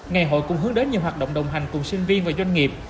ngày hội cũng hướng đến nhiều hoạt động đồng hành cùng sinh viên và doanh nghiệp